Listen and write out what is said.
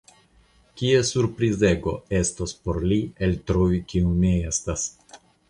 Kia surprizego estos por li eltrovi kiu mi estas!